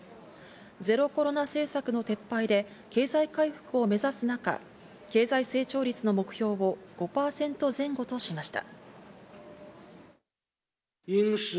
ゼロコロナ政策の撤廃で経済回復を目指す中、経済成長率の目標を５％前後としました。